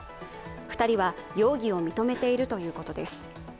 ２人は容疑を認めているということです。